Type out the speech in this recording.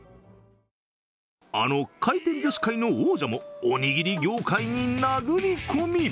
あの回転ずし界の王者もおにぎり業界に殴り込み。